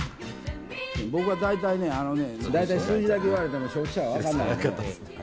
僕は大体ねえ、あのね、大体数字だけ言われても、消費者は分かんないんでね。